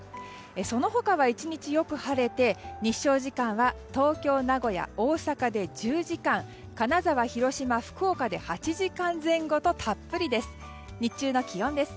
その他は１日よく晴れて日照時間は東京、名古屋、大阪で１０時間金沢、広島、福岡で８時間前後とたっぷりです。